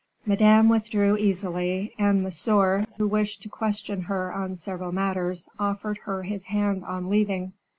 Madame withdrew easily, and Monsieur, who wished to question her on several matters, offered her his hand on leaving.